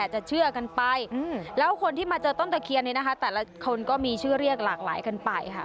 เชื่อกันไปแล้วคนที่มาเจอต้นตะเคียนนี้นะคะแต่ละคนก็มีชื่อเรียกหลากหลายกันไปค่ะ